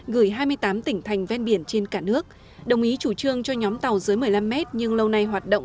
gửi hai mươi tám tỉnh thành ven biển trên cả nước đồng ý chủ trương cho nhóm tàu dưới một mươi năm mét nhưng lâu nay hoạt động